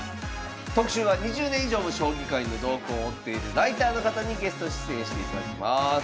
特集は２０年以上も将棋界の動向を追っているライターの方にゲスト出演していただきます。